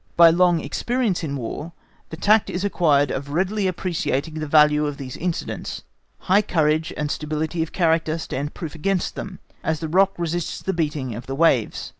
By long experience in War, the tact is acquired of readily appreciating the value of these incidents; high courage and stability of character stand proof against them, as the rock resists the beating of the waves.